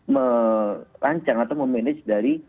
merancang atau memanage dari